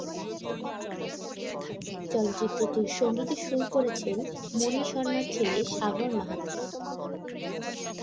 চলচ্চিত্রটির সঙ্গীতে সুর করেছেন মণি শর্মার ছেলে সাগর মাহাথি।